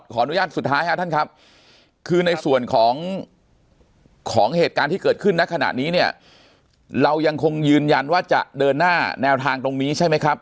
อนุญาตสุดท้ายครับท่านครับคือในส่วนของของเหตุการณ์ที่เกิดขึ้นในขณะนี้เนี่ยเรายังคงยืนยันว่าจะเดินหน้าแนวทางตรงนี้ใช่ไหมครับ